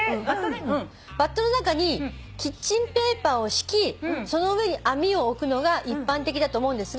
「バットの中にキッチンペーパーを敷きその上に網を置くのが一般的だと思うんですが」